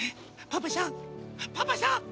パパさんパパさん！